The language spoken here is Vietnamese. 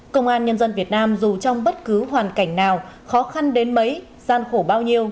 công an nhân dân việt nam dù trong bất cứ hoàn cảnh nào khó khăn đến mấy gian khổ bao nhiêu